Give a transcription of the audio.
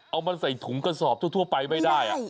เอามันใส่ถุงกระสอบทั่วไปไม่ได้